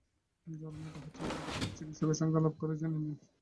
যাঁরা মোটা হচ্ছেন, দরকার হলে চিকিৎসকের সঙ্গে আলাপ করে জেনে নিন।